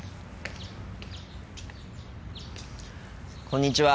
こんにちは。